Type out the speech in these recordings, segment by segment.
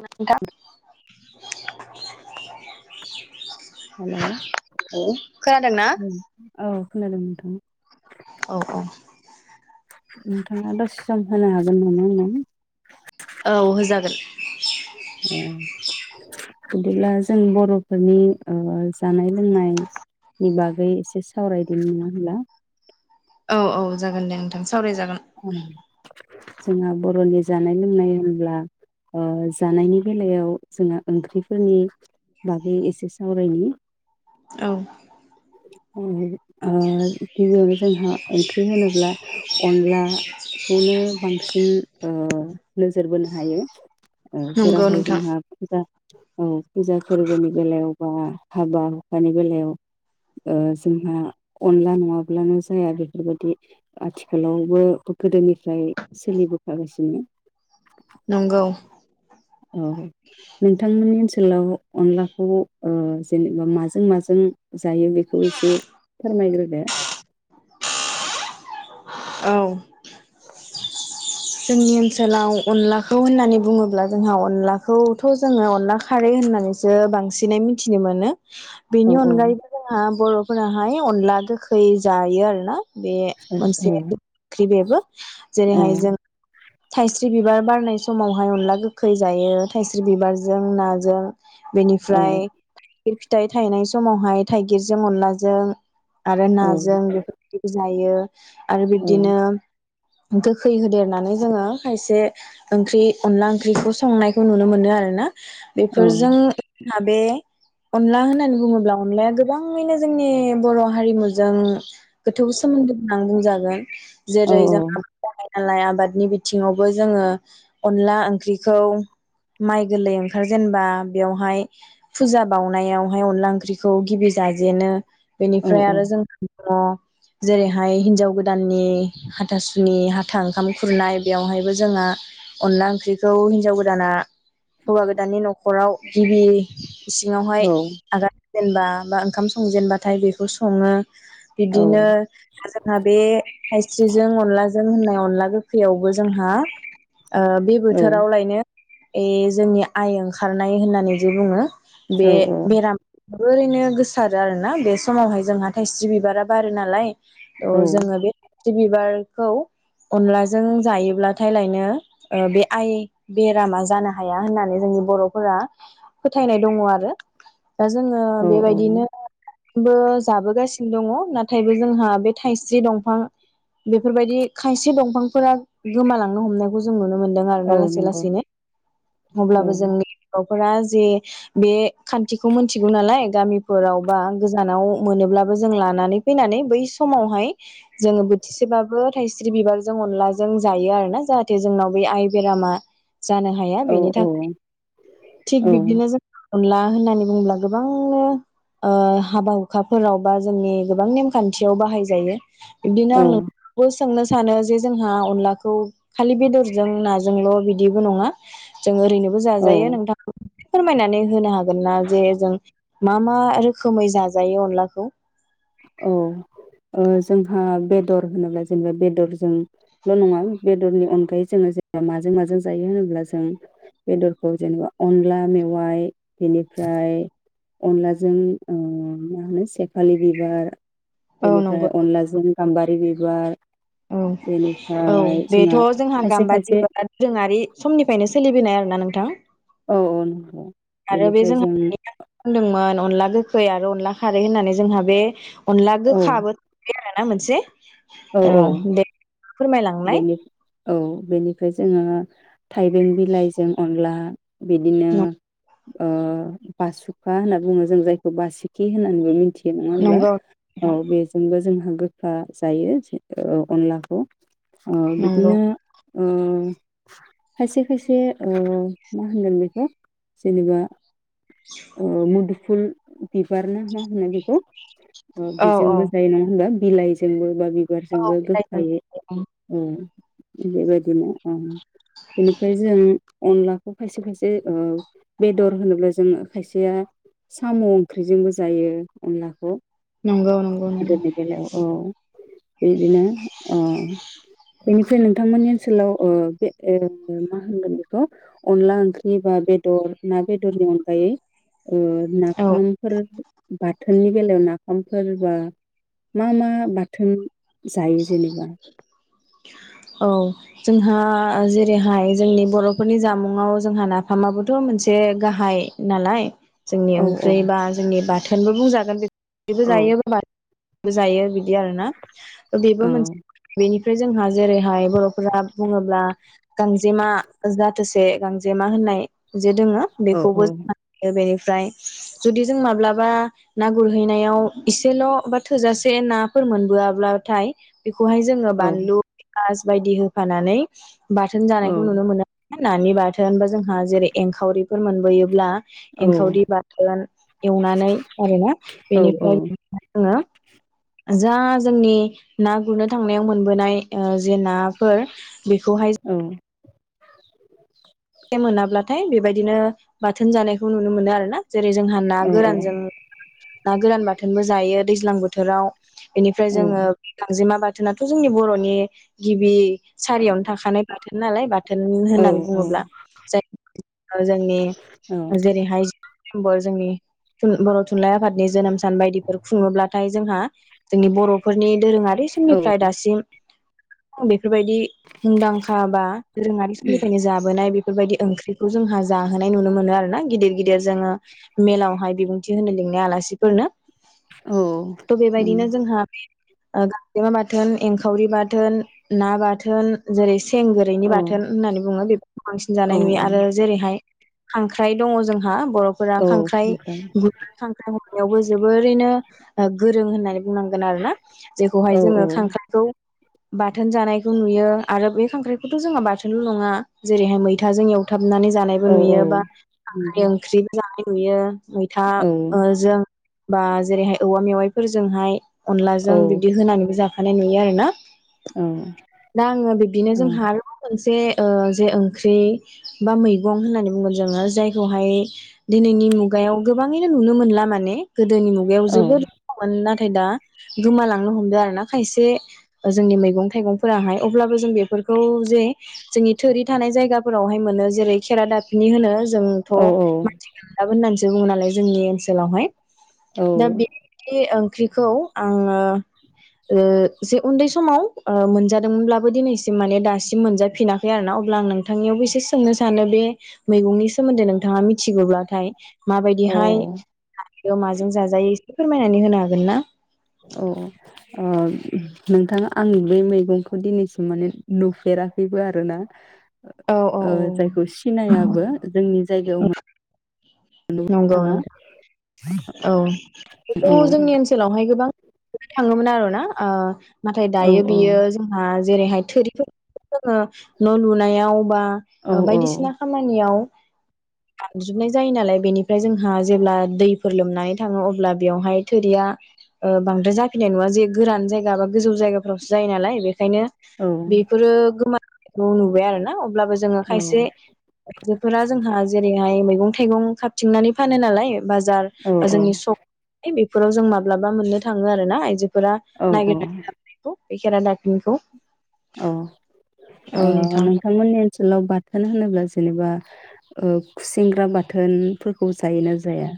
नो थां [inaudible] हेलौ खोनादोंना? उम औ खोनादों नोंथां औ औ नोंथाङा दसे सम होनो हागोन नामा आंनो औ होजागोन अह बिदिब्ला जों बर'फोरनि ओ जानाय लोंनायनि बागै एसे सावरायदों नङा होनब्ला औ औ जागोन दे नोंथां सावरायजागोन होनब्ला जोंहा बर'नि जानाय लोंनाय होनब्ला जानायनि बेलायाव जोंहा ओंख्रिफोरनि बागै एसे सावरायनि औ ओ गिबियावनो जोंहा ओंख्रि होनोब्ला अनला खौनो बांसिन ओ नोजोर बोनो हायो ओ नंगौ जेरावहाय नोंथां जोंहा फुजा औ फुजा फोरबोनि बेलायावबा जाहा हाबा हुखानि बेलायाव ओ जोंहा अनला नङाब्लानो जाया बेफोरबायदि आथिखालावबो गोदोनिफ्राय सोलिबोफागासिनो नंगौ औ नोंथांमोननि ओनसोलाव अनलाखौ जेनेबा माजों माजों जायो बेखौ एसे फोरमायग्रोदो। औ। जोंनि ओनसोलाव अनलाखौ होननानै बुङोब्ला जोंहा अनलाखौथ' जोङो अनला खारै होननानैसो बांसिनै मिथिनो मोनो। औ बेनि औ अनगायैबो जोंहा बर'फोरा हाय अनला गोखै जायो आरो ना। बे मोनसे ओंख्रि बेबो औ जेरैहाय जों थाइस्रि बिबार बारनाय समावहाय अनला गोखै जायो थायस्रि बिबारजों नाजों बेनिफ्राय थायगिर फिथाइ थायनाय समावहाय थाइगिरजों अनलाजों आरो औ नाजों बेफोरबायदिखौ जायो आरो औ बिदिनो गोखै होदेर होननानै जोङो खायसे ओंख्रि अनला ओंख्रिखौ संनायखौ नुनो मोनो आरो ना। बेफोरजों बे अनला होननानै बुङोब्ला अनलाया गोबाङैनो जोंनि बर' हारिमुजों गोथौ सोमोन्दो गोनां बुंजागोन औ जेरै जोंहा [unintelligible] आबादनि बिथिङावबो जोङो अनला ओंख्रिखौ माइ गोरलै ओंखार जेनबा बेवहाय फुजा बावनायावहाय अनला ओंख्रिखौ गिबि जाजेनो। औ बेनिफ्राय आरो जों ओ जेरैहाय हिनजाव गोदाननि हाथासुनि हाथा ओंखाम खुरनाय बेवहायबो जोंहा अनला ओंख्रिखौ हिनजाव गोदाना हौवा गोदानानि न'खराव गिबि इसिङावहाय औ आगान होजेनबा बा ओंखाम संजेनबाथाय बेखौ सङो। बिदिनो जोंहा बे थायस्रिजों अनलाजों होनायाव खैयावबो जोंहा ओ बे बोथोराव लायनो ए जोंनि आइ ओंखारनाय होननानै जे बुङो, औ बे बेराम ओरैनो गोसारो आरोना बे समावहाय जोंहा थाइस्रि बिबारा बारो नालाय औ जोङो बे दि बिबारखौ अनलाजों जायोब्लाथाय लायनो ओ बे आइ बेरामा जानो हाया होननानै जोंनि बर'फोरा फोथायनाय दङ आरो दा जोङो औ बेबायदिनो बो जाबोगासिनो दङ नाथायबो जोंहा बे थायसे दंफां बेफोरबायदि खायसे थि दंफांफोरा गोमालांनो हमनायखौ जों नुनो मोन दों औ आरोना लासै नंगौ लासैनो अब्लाबो औ जोंनि औ फोरा जे बे खान्थिखौ मोनथिगौ नालाय गामिफोराव बा गोजानाव मोनोब्लाबो जों लानानै फैनानै बै समावहाय जों बोथिसेबाबो थाइस्रि बिबार जों अनलाजों जायो आरो ना जाहाथे जोंनाव बे आइ बेरामा जानो हाया औ बेनि थाखाय औ थिग बिब्दिनो जों अनला होननानै बुङोब्ला गोबां ओ हाबा हुखाफोराव बा जोंनि गोबां नेमखान्थियाव बाहाय जायो। बिदिनो औ आंनो [unintelligible] सोंनो सानो जे जोंहा अनलाखौ खालि बेदरजों नाजोंल' बिदिबो नङा जों ओरैनोबो औ जाजायो नोंथां फोरमायनानै होनो हागोन ना जे जों मा मा रोखोमै जाजायो अनलाखौ। औ ओ जोंहा बेदर होनोब्ला जेनेबा बेदरजोंल' नङा बेदरनि अनगायै जोङो जेनेबा माजों माजों जायो होनोब्ला जों बेदरखौ जेनेबा अनला मेवाइ बेनिफ्राय अनलाजों उम मा होनो सेफालि बि बार औ बेनिफ्राय नंगौ अनलाजों गाम्बारि बि बार औ औ बेथ' जोंहा खायसे गाम्बारि खायसे बिबारा दोरोङारि समनिफ्रायनो सोलिबोनाय आरोना नोंथां औ औ नंगौ आरो बे बेनिफ्राय जों जोंहा बुंदोंमोन अनला गोखै आरो अनला खारै होननानै जोंहा बे अनदला औ गोखाबो थांबाय आरो [unintelligible] ना मोनसे औ अ औ दे फोरमायलांनाय बेनि औ बेनिफ्राय जोङो थाइबें बिलाइजों अनला बिदिनो ओ बासुखा होनना बुङो जों जायखौ बासिकि होननानैबो मिथियो नङा हब्ला नंगौ औ नोंथां बेजोंबो जोंहा ओ जायो ओ अनलाखौ ओ नंगौ बिदिनो ओ खायसे खायसे ओ मा होनगोन बेखौ जेनेबा ओ मुदुफुल बिबारना मा होनो बेखौ? अ औ औ बेजोंबो जायो नङा होनबा? बिलाइजोंबो एबा औ बिबारजोंबो होफायो। औ थिख बेबायदिनो ओ बेनिफ्राय जों अनलाखौ खायसे खायसे बेदर होनोब्ला जों खायसेया साम' ओंख्रिजोंबो जायो अनलाखौ। नंगौ नंगौ नंगौ बेदिनो अ बेनिफ्राय नोंथांमोननि ओनसोलाव ओ बे मा होनगोन बेखौ अनला ओंख्रि बा बेदर ना बेदरनि अनगायै ओ औ नाफामफोर बा बाथोननि बेलायाव नाफामफोर बा मा मा बाथोन जायो जेनेबा? औ जोंहा जेरैहाय जोंनि बर'फोरनि जामुंआव जोंहा नाफामाबोथ' मोनसे एसे गाहाय नालाय जोंनि औ औ ओंख्रि बा जोंनि बा थोनबो बुंजागोन बे बेबो औ जायो बा जायो बिदि आरो ना बेबो मोनसे बेनि ओमफ्राय जोंहा जेरैहाय बर'फोरा बुङोब्ला गांजेमा जाथोसे गांजेमा होननाय जे दोङो औ बेखौबो [unintelligible] ओमफ्राय जुदि जों माब्लाबा ना गुरहैनायाव इसेल' बा थोजासे नाफोर मोनबोआब्ला थाय बेख बेखौहाय जोङो औ बानलु फियास बायदि होफानानै बाथोन जानायखौ नुनो मोनो। नानि बाथोनबा जोंहा जेरै एंखावरिफोर मोनबोयोब्ला औ एंखावरि बाथोन एवनानै आरोना औ बेनिफ्राय जोङो जा जोंनि ना गुरनो थांनायाव मोनबोनाय ओ जे नाफोर बेखौहाय [unintelligible] ए मोनाब्लाथाय बेबायदिनो बाथोन जानायखौ नुनो मोनो आरोना जेरै जोंहा ना औ गोरानजों ना गोरान बाथोनबो जायो दैज्लां बोथोराव इनिफ्राय औ जोङो गांजेमा बाथोन बाथोनाथ' जोंनि बर'नि गिबि सारियावनो थाखानाय बाथ थोनालाय बाथ बाथोन औ होननानै बुङोब्ला जायखौ जोङो जोंनि औ जेरैहाय ब जोंनि ओम बर' थुनलाइ आफादनि जोनोम सान बायदिफोर खुङोब्ला थाय जोंहा जोंनि बर'फोरनि दोरोङारि औ समनिफ्राय दासिम औ बेखौ बेफोरबायदि मुंदांखा बा दोरोङारि समनिफ्रायनो जाबोनाय बेफोर बेफोरबायदि ओंख्रिखौ जोंहा जाहोनाय नुनो मोनो आरो ना गिदिर-गिदिर जोङो मेलावहाय बिबुंथि होनो लिंनाय आलासिफोरनो औ थ' नंगौ बेबायदिनो जोंहा बे ओ गांजेमा बाथोन, एंखावरि बाथोन, ना बाथोन, जेरै सि सें गोरैनि औ बाथोन होननानै बुङो बेफो बांसिन औ जानाय नुयो औ आरो जेरैहाय। खांख्राय। दङ जोंहा बर'फोरा खांख्राइ ग खांख्राइ हमनायावबो जोबोरैनो। ओ गोरों होननानै। बुंनांगोन आरोना औ जेखौहाय औ जोङो खांख्राइखौ। बाथोन जानायखौ नुयो आरो बे खांख्राइखौथ' जोंहा बाथोनल' नङा। जेरैहाय मैथाजों एवथाब। [unintelligible] नानै जानायबो औ औ नुयो बा [unintelligible] नंगौ ओंख्रि [inaudible] गुयो। मैथा औ ओ जों। बा जेरैहाय औवा मेवाइफोरजोंहाय। अनलाजों बिदि होनानैबो जाख माने नुयो आरो ना। दा आङो बिब्दिनो जोंहा [unintelligible] मोनसे। ओ जे ओंख्रि बा मैगं होननानै बुंगोन जोङो जायखौहाय दिनैनि मुगायाव गोबाङैनो नुनो मोनला माने। गोदोनि मुगायाव जोबोद [unintelligible] मोन नाथाय। थाय दा गोमालांनो हमदों आरो ना खायसे ओ जोंनि मैगं थाइगंफोराहाय अब्लाबो जों बेफोरखौ जे जोंनि। थोरि थानाय जायगाफोरावहाय मोनो जेरै- खेरा दाफिनि होनो। जोंथ' मानसि [inaudible] बुङो नालाय जोंनि ओनसोलावहाय। औ दा बे ख्रिखौ आङो ओ जे उन्दै समाव ओ मोनजादोंमोनब्लाबो दिनैसिम माने दासिम मोनजाफिना आरो ना अब्ला आं नोंथांनियावबो एसे सोंनो सानो बे मैगंनि सोमोन्दै नोंथाङा मिथिगौब्लाथाय। औ माबायदिहाय माजों जाजायो। फोरमायनानै होनो हागोन ना। अ' ओ नोंथाङा आंङो बे मैगंखौ दिनैसिम माने नुफेराखैबो आरोना। औ औ ओ औ जायखौ सिनायाबो जोंनि। जायगावमा नंगौ नोंथां। औ [unintelligible] जोंनि औ ओनसोलावहाय गोबां। [unintelligible] थाङोमोन आर आरो ना ओ नाथाय औ दायो औ बेयो जोंहा। जेरैहाय थोरिफोरखौ जोङो न' लुनायाव बा। औ ओ बायदिसिना औ खामानियाव। गानजोबनाय जायो नालाय बेनिफ्राय जोंहा जेब्ला दै फोर लोमनानै थाङो अब्ला बेयावहाय थोरिया बांद्राय जाफिनाय नङा जे गोरान जायगा बा गोजौ जायगाफ्रावसो जायो नालाय बे ओंखायनो औ बेफोरो गोमा न लुबाय आरो ना अब्लाबो जोङो खायसे औ आइजोफोरा जोंहा जेरैहाय मैगं थाइगं खााबथिंनानै फानो नालाय बाजा बा जोंनि सक बेफोराव जों माब्लाबा मोननो थाङो आरो ना आइजो फोरा औ नागिरनानै औ लाबोनायखौ बे खेरा दाफिनिखौ अ औ ओ नोंथां नोंथांमोननि ओनसोलाव बाथोन होनोब्ला जेनेबा खुसेंग्रा बाथोनफोरखौ जायोना जाया?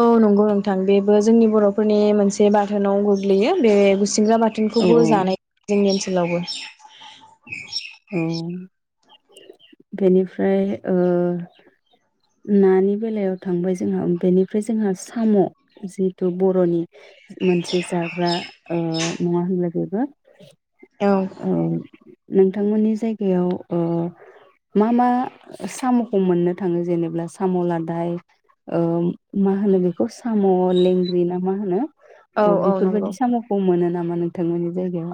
औ नंगौ नोंथां बेबो जोंनि बर'फोरनि मोनसे बाख थोनाव गोग्लैयो बे गुसिंग्रा औ औ बाथोनखौबो जानाय जोंनि ओनसो लावबो औ बेनिफ्राय ओ नानि बेलायाव थांबाय जोंहा बेनिफ्राय जोंहा साम' जिथु बर'नि मोनसे जाग्रा नङा होनब्ला बेबो औ ओ नोंथांमोननि जायगायाव ओ मा मा साम'खौ मोननो थाङो जेनेब्ला साम' लादाय ओ मा होनो बेखौ साम' लेंग्रि ना मा होनो? अ बेफोरबायदि साम'खौ मोनोना मानों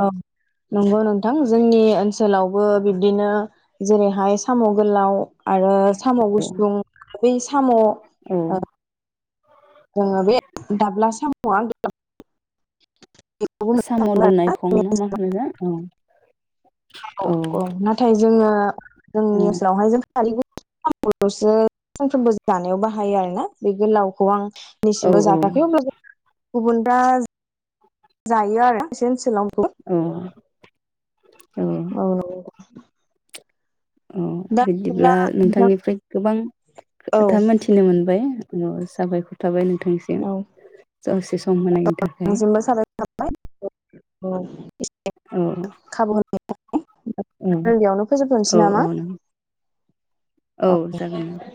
ओं नंगौ नोंथां जोंनि ओनसोलावबो बिब्दिनो जेरैहाय साम' गोलाव आरो साम' गुसुं बै साम' ओ औ बे दाब्ला साम [unintelligible] साम' दुनायखं ना आरो मा होनो ना औ औ ओ औ जोंनि ओनसोलावहाय जों [unintelligible] सानफ्रोमबो जानायाव बाहायो आरोना बे गोलावखौ आं औ नैसिमबो जायाखै अब्लाबो गुबुन दा जो जायो आरो बिसेनसोलाव औ औ। अ बिदिब्ला नोंथां नोंथांनिफ्राय गोबां औ खोथा मोनथिनो मोनबाय। न साफायखरथाबाय नों खाबु [unintelligible] थाखाय औ [unintelligible] [unintelligible] औ बेयावनो फोजोबथ'सै औ नामा? औ औ जागोन नोंथां